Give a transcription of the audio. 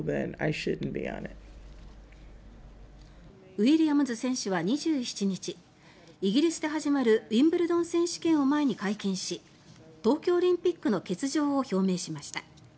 ウィリアムズ選手は２７日イギリスで始まるウィンブルドン選手権を前に会見し東京オリンピックの欠場を表明しました。